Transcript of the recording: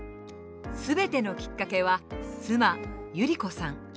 全てのきっかけは妻由利子さん。